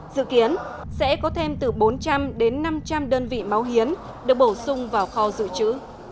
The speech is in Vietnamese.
dự kiến sẽ có thêm từ bốn trăm linh đến năm trăm linh đơn vị máu hiến được bổ sung vào kho dự trữ